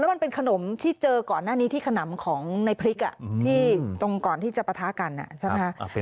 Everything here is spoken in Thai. แล้วมันเป็นขนมที่เจอก่อนแห้งกับขนมของในพริกที่ต้องก่อนที่จะประทากัน